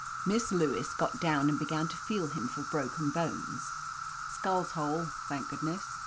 Miss Lewis got down and began to feel him for broken bones. "Skull's whole, thank goodness!"